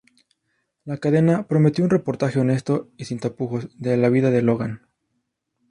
La cadena prometió un "reportaje honesto y sin tapujos" de la vida de Lohan.